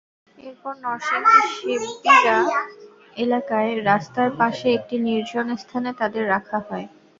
এরপর নরসিংদীর শিববািড় এলাকায় রাস্তার পাশে একটি নির্জন স্থানে তাঁদের রাখা হয়।